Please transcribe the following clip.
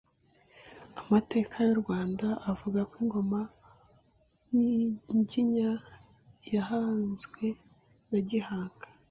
Amateka y’u Rwanda avuga ko ingoma Nyiginya yahanzwe na Gihanga